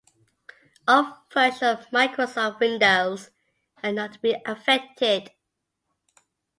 All versions of Microsoft Windows are known to be affected.